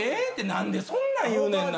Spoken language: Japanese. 何でそんなん言うねんな。